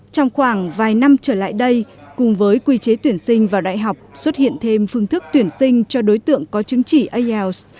trong khoảng vài năm trở lại đây cùng với quy chế tuyển sinh vào đại học xuất hiện thêm phương thức tuyển sinh cho đối tượng có chứng chỉ ielts